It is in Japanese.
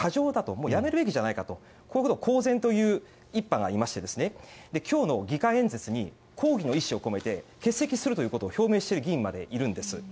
もうやめるべきじゃないかとこういうことを公然と言う一派がいまして今日の議会演説を抗議の意思を込めて欠席するということを表明している議員もいるんです。